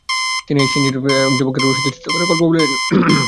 তিনি সেই ইঞ্জিনীয়র যুবককে এক রুশদেশীয় চিত্রকরের গল্প বলিলেন।